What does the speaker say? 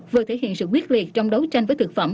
vừa thể hiện sự quyết liệt trong đấu tranh với thực phẩm